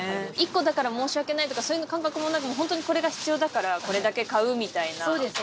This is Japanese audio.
１個だから申し訳ないとかそういう感覚もなくホントにこれが必要だからこれだけ買うみたいなそうです